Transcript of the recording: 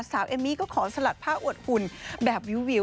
เอมมี่ก็ขอสลัดผ้าอวดหุ่นแบบวิว